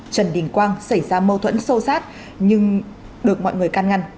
trần đình quang xảy ra mâu thuẫn sâu sát nhưng được mọi người can ngăn